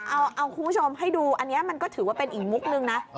เอาคุณคุณผู้ชมให้ดูอันเนี้ยมันก็ถือเป็นมุกหนึ่งนะ